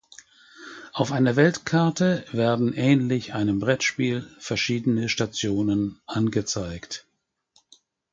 Auf einer Weltkarte werden ähnlich einem Brettspiel verschiedene Stationen angezeigt.